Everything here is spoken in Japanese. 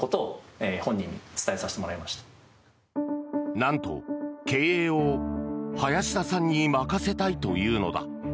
なんと、経営を林田さんに任せたいというのだ。